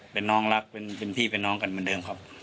เป็นน้องรักเป็นพี่เป็นน้องกันเหมือนเดิมครับ